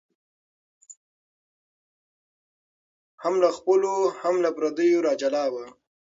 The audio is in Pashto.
هم له خپلو هم پردیو را جلا وه